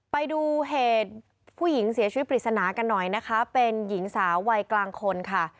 ไปดูเหตุผู้หญิงเสียชีวิตปริศนากันหน่อยนะคะเป็นหญิงสาววัยกลางคนค่ะ